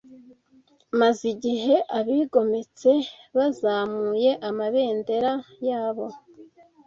Maze igihe abigometse bazamuye amabendera yabo